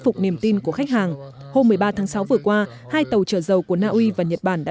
phục niềm tin của khách hàng hôm một mươi ba tháng sáu vừa qua hai tàu chở dầu của naui và nhật bản đã